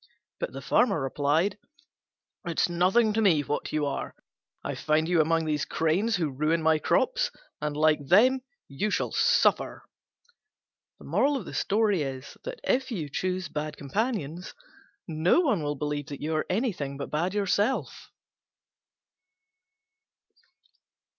But the Farmer replied, "It's nothing to me what you are: I find you among these cranes, who ruin my crops, and, like them, you shall suffer." If you choose bad companions no one will believe that you are anything but bad yourself.